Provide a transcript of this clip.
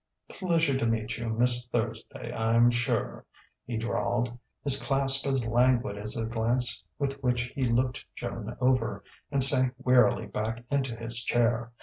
"Pleasure to meet you, Miss Thursday, I'm sure," he drawled, his clasp as languid as the glance with which he looked Joan over; and sank wearily back into his chair.